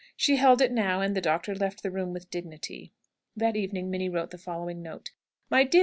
She held it now, and the doctor left the room with dignity. That evening Minnie wrote the following note: "MY DEAR MR.